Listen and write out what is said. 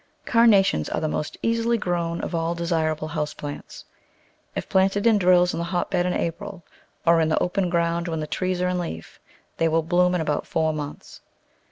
Carnations are the most easily grown of all desir able house plants. If planted in drills in the hotbed in April, or in the open ground when the trees are in leaf, they will bloom in about four months.